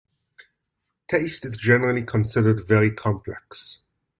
Taste is generally considered very complex.